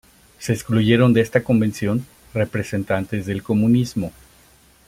Se excluyeron de esta convención representantes del comunismo.